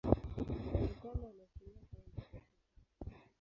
Tangu kale anaheshimiwa kama mtakatifu.